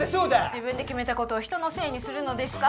自分で決めたことを人のせいにするのですか？